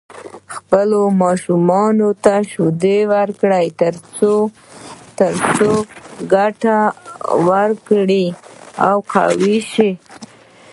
خپلو ماشومانو ته شيدې ورکړئ تر څو ګټه ورکړي او قوي شي.